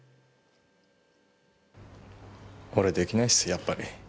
俺出来ないっすやっぱり。